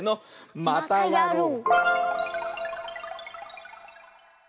またやろう！